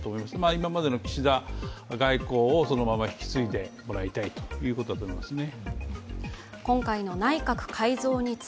今までの岸田外交をそのまま引き継いでもらいたいということだと思いますね。